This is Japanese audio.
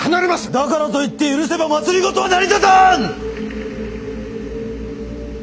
だからといって許せば政は成り立たん！